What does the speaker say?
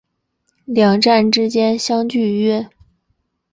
两站之间相距约。